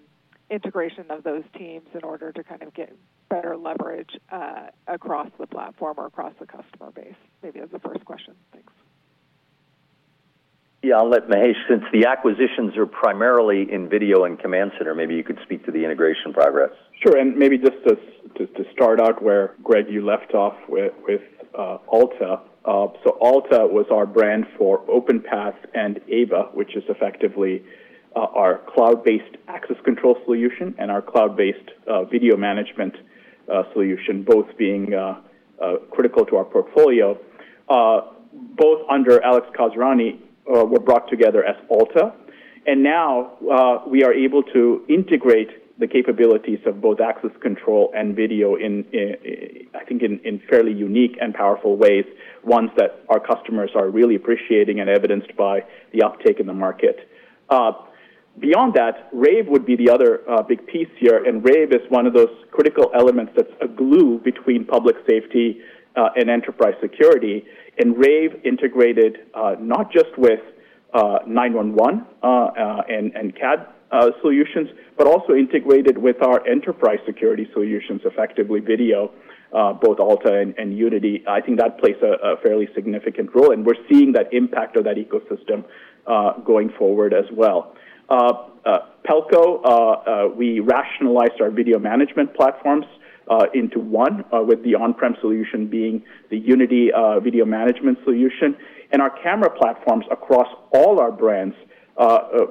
integration of those teams in order to kind of get better leverage across the platform or across the customer base? Maybe as a first question. Thanks. Yeah. I'll let Mahesh, since the acquisitions are primarily in video and Command Center, maybe you could speak to the integration progress. Sure. And maybe just to start out where Greg, you left off with Alta. So Alta was our brand for OpenPath and Ava, which is effectively our cloud-based access control solution and our cloud-based video management solution, both being critical to our portfolio. Both under Alex Kazharny were brought together as Alta. And now we are able to integrate the capabilities of both access control and video, I think, in fairly unique and powerful ways, ones that our customers are really appreciating and evidenced by the uptake in the market. Beyond that, Rave would be the other big piece here. And Rave is one of those critical elements that's a glue between public safety and enterprise security. And Rave integrated not just with 911 and CAD solutions, but also integrated with our enterprise security solutions, effectively video, both Alta and Unity. I think that plays a fairly significant role. We're seeing that impact of that ecosystem going forward as well. Pelco, we rationalized our video management platforms into one, with the on-prem solution being the Unity video management solution. Our camera platforms across all our brands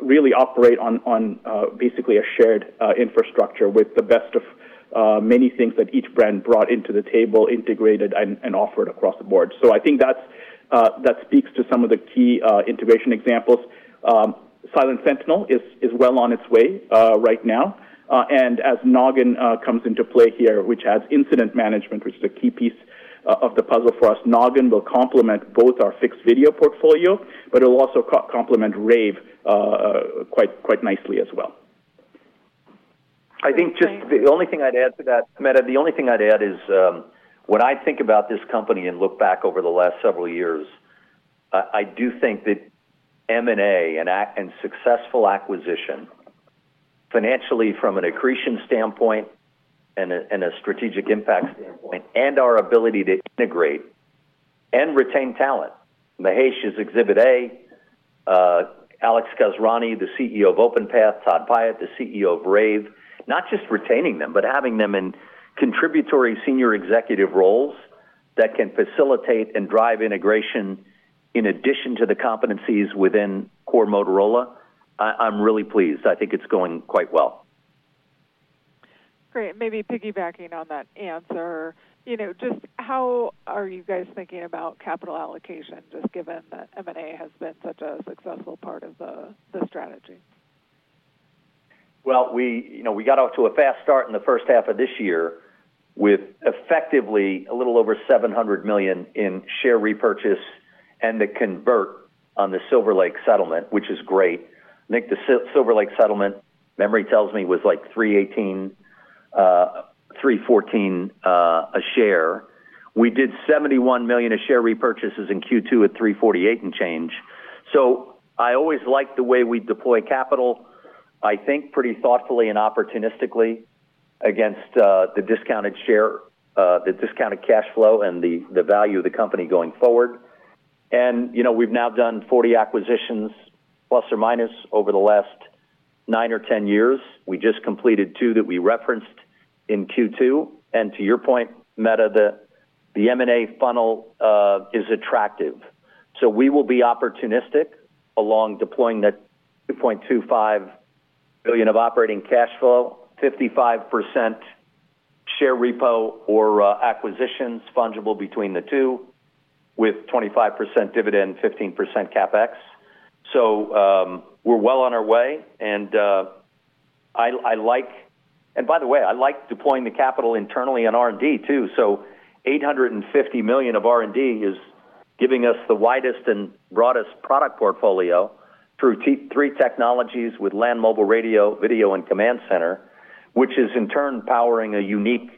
really operate on basically a shared infrastructure with the best of many things that each brand brought into the table, integrated and offered across the board. I think that speaks to some of the key integration examples. Silent Sentinel is well on its way right now. As Noggin comes into play here, which adds incident management, which is a key piece of the puzzle for us, Noggin will complement both our fixed video portfolio, but it'll also complement Rave quite nicely as well. I think just the only thing I'd add to that, Meta, the only thing I'd add is when I think about this company and look back over the last several years, I do think that M&A and successful acquisition financially from an accretion standpoint and a strategic impact standpoint, and our ability to integrate and retain talent. Mahesh is Exhibit A. Alex Kazerani, the CEO of Openpath, Todd Piett, the CEO of Rave, not just retaining them, but having them in contributory senior executive roles that can facilitate and drive integration in addition to the competencies within core Motorola. I'm really pleased. I think it's going quite well. Great. Maybe piggybacking on that answer, just how are you guys thinking about capital allocation, just given that M&A has been such a successful part of the strategy? Well, we got off to a fast start in the first half of this year with effectively a little over $700 million in share repurchase and the convert on the Silver Lake settlement, which is great. I think the Silver Lake settlement, memory tells me, was like $314 a share. We did $71 million of share repurchases in Q2 at $348 and change. So I always liked the way we deploy capital, I think pretty thoughtfully and opportunistically against the discounted share, the discounted cash flow, and the value of the company going forward. And we've now done 40 acquisitions plus or minus over the last nine or 10 years. We just completed two that we referenced in Q2. And to your point, Meta, the M&A funnel is attractive. So we will be opportunistic along deploying that $2.25 billion of operating cash flow, 55% share repo or acquisitions fungible between the two with 25% dividend, 15% CapEx. So we're well on our way. And by the way, I like deploying the capital internally in R&D too. So $850 million of R&D is giving us the widest and broadest product portfolio through three technologies with Land Mobile Radio, video, and command center, which is in turn powering a unique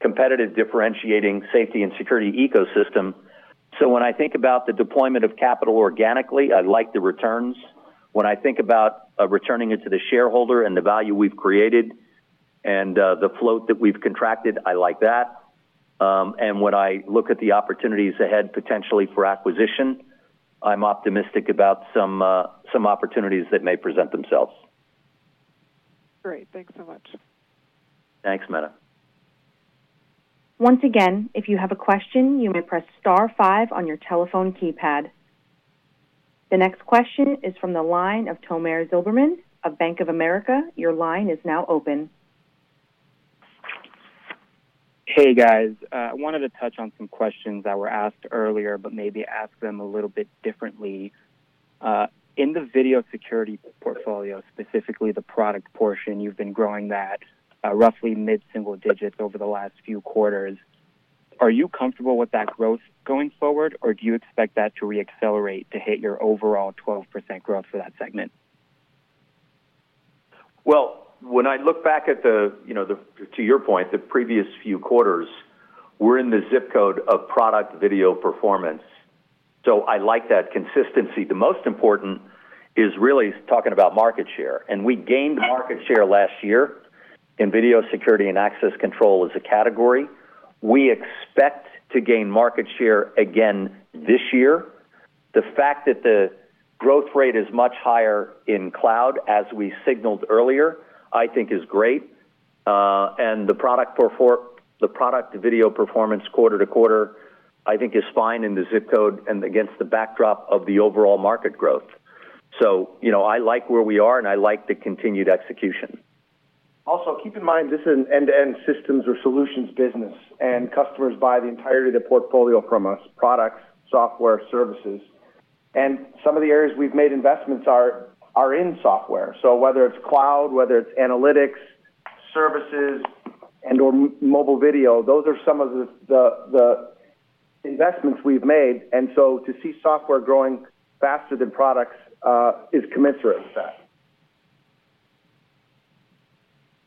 competitive differentiating safety and security ecosystem. So when I think about the deployment of capital organically, I like the returns. When I think about returning it to the shareholder and the value we've created and the float that we've contracted, I like that. And when I look at the opportunities ahead potentially for acquisition, I'm optimistic about some opportunities that may present themselves. Great. Thanks so much. Thanks, Meta. Once again, if you have a question, you may press star five on your telephone keypad. The next question is from the line of Tomer Zilberman of Bank of America. Your line is now open. Hey, guys. I wanted to touch on some questions that were asked earlier, but maybe ask them a little bit differently. In the video security portfolio, specifically the product portion, you've been growing that roughly mid-single digits over the last few quarters. Are you comfortable with that growth going forward, or do you expect that to reaccelerate to hit your overall 12% growth for that segment? Well, when I look back at, to your point, the previous few quarters, we're in the zip code of product video performance. So I like that consistency. The most important is really talking about market share. And we gained market share last year in video security and access control as a category. We expect to gain market share again this year. The fact that the growth rate is much higher in cloud, as we signaled earlier, I think is great. And the product video performance quarter to quarter, I think, is fine in the zip code and against the backdrop of the overall market growth. So I like where we are, and I like the continued execution. Also, keep in mind this is an end-to-end systems or solutions business, and customers buy the entirety of the portfolio from us: products, software, services. Some of the areas we've made investments are in software. Whether it's cloud, whether it's analytics, services, and/or mobile video, those are some of the investments we've made. To see software growing faster than products is commensurate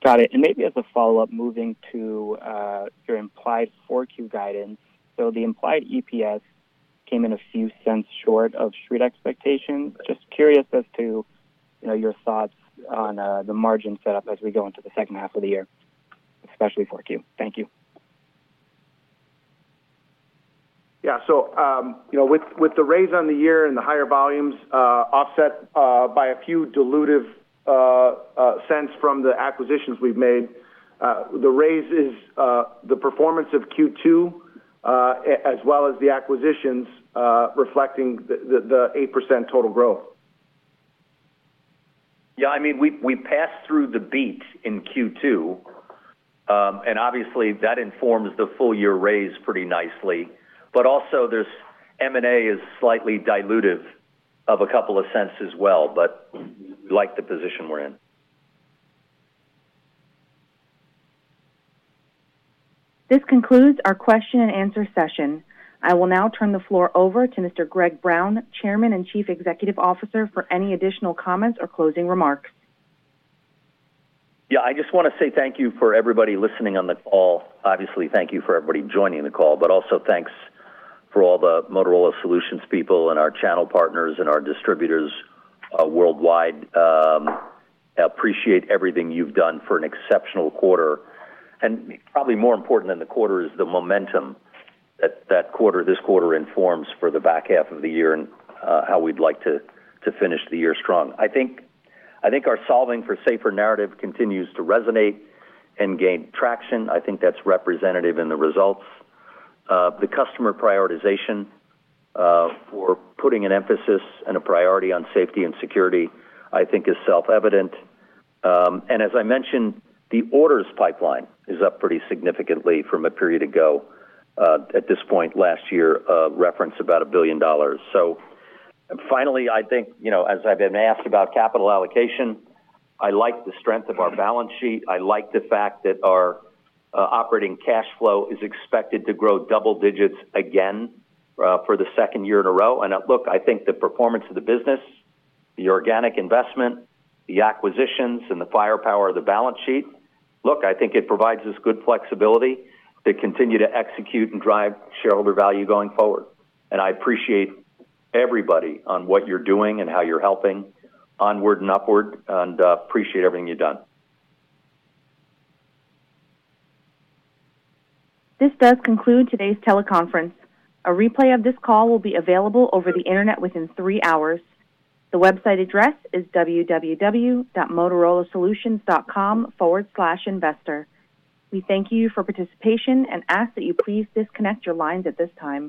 with that. Got it. And maybe as a follow-up, moving to your implied for Q guidance. So the implied EPS came in a few cents short of Street expectations. Just curious as to your thoughts on the margin setup as we go into the second half of the year, especially for Q. Thank you. Yeah. So with the raise on the year and the higher volumes offset by a few dilutive cents from the acquisitions we've made, the raise is the performance of Q2 as well as the acquisitions reflecting the 8% total growth. Yeah. I mean, we passed through the beat in Q2. And obviously, that informs the full year raise pretty nicely. But also, M&A is slightly dilutive of a couple of cents as well. But we like the position we're in. This concludes our question and answer session. I will now turn the floor over to Mr. Greg Brown, Chairman and Chief Executive Officer, for any additional comments or closing remarks. Yeah. I just want to say thank you for everybody listening on the call. Obviously, thank you for everybody joining the call, but also thanks for all the Motorola Solutions people and our channel partners and our distributors worldwide. I appreciate everything you've done for an exceptional quarter. Probably more important than the quarter is the momentum that this quarter informs for the back half of the year and how we'd like to finish the year strong. I think our solving for safer narrative continues to resonate and gain traction. I think that's representative in the results. The customer prioritization for putting an emphasis and a priority on safety and security, I think, is self-evident. As I mentioned, the orders pipeline is up pretty significantly from a period ago at this point last year, reference about $1 billion. So finally, I think as I've been asked about capital allocation, I like the strength of our balance sheet. I like the fact that our operating cash flow is expected to grow double digits again for the second year in a row. And look, I think the performance of the business, the organic investment, the acquisitions, and the firepower of the balance sheet, look, I think it provides us good flexibility to continue to execute and drive shareholder value going forward. And I appreciate everybody on what you're doing and how you're helping onward and upward and appreciate everything you've done. This does conclude today's teleconference. A replay of this call will be available over the internet within three hours. The website address is www.motorolasolutions.com/investor. We thank you for participation and ask that you please disconnect your lines at this time.